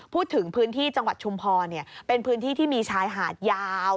พื้นที่จังหวัดชุมพรเป็นพื้นที่ที่มีชายหาดยาว